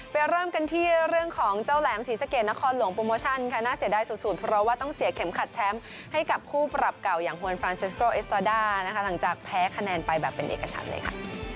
เริ่มกันที่เรื่องของเจ้าแหลมศรีสะเกดนครหลวงโปรโมชั่นค่ะน่าเสียดายสุดเพราะว่าต้องเสียเข็มขัดแชมป์ให้กับคู่ปรับเก่าอย่างฮวนฟรานซิสโกเอสตาด้านะคะหลังจากแพ้คะแนนไปแบบเป็นเอกชันเลยค่ะ